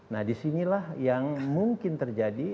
nah di sinilah yang mungkin terjadi